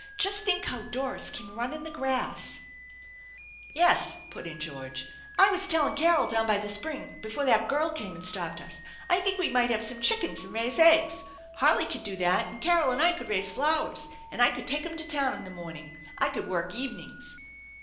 Just think how Doris can run in the grass !"" Yes," put in George. " I was telling Carol down by the spring before that girl came and stopped us I think we might have some chickens and raise eggs. Harley could do that, and Carol and I could raise flowers, and I could take ? em to town in the morning. I could work evenings."